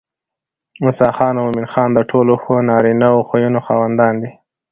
موسى خان او مومن خان د ټولو ښو نارينه خويونو خاوندان دي